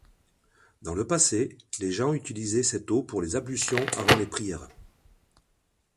Dans le passé, les gens utilisaient cette eau pour les ablutions avant les prières.